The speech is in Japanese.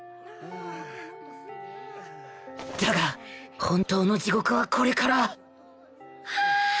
だが本当の地獄はこれからはあ！